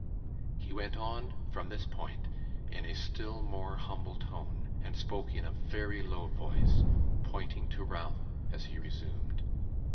He went on, from this point, in a still more humble tone, and spoke in a very low voice; pointing to Ralph as he resumed.